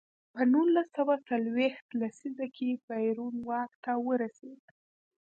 په نولس سوه څلویښت لسیزه کې پېرون واک ته ورسېد.